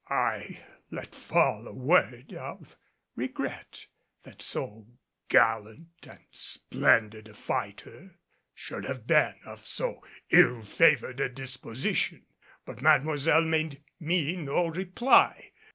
I let fall a word of regret that so gallant and splendid a fighter should have been of so ill favored a disposition. But Mademoiselle made me no reply.